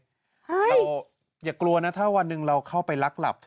อย่ากลัวนะถ้าวันหนึ่งเราเข้าไปลักหลับ